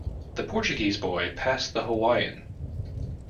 The Portuguese boy passed the Hawaiian.